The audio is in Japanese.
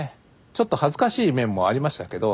ちょっと恥ずかしい面もありましたけど